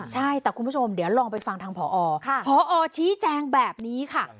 ใช่แต่คุณผู้ชมเดี๋ยวลองไปฟังทางพอพอชี้แจงแบบนี้ค่ะ